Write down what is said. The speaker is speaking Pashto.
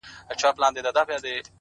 ستا سندريز روح چي په موسکا وليد” بل”